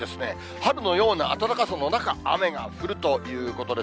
春のような暖かさの中、雨が降るということです。